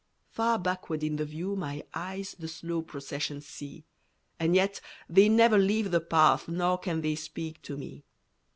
Far backward in the view my eyes The slow procession see, And yet they never leave the path Nor can they speak to me.